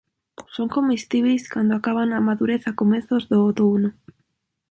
Son comestíbeis cando acadan a madurez a comezos do outono.